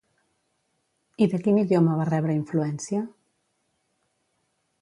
I de quin idioma va rebre influència?